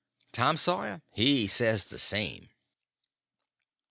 Tom Sawyer he says the same.